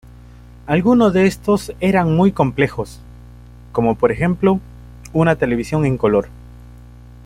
Alguno de estos eran muy complejos, como por ejemplo una televisión en color.